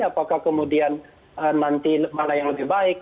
apakah kemudian nanti mana yang lebih baik